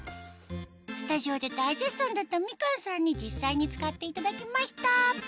スタジオで大絶賛だったみかんさんに実際に使っていただきました